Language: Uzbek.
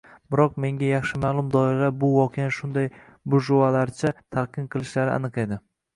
Biroq menga yaxshi ma’lum doiralar bu voqeani shunday burjuylarcha talqin qilishlari aniq edi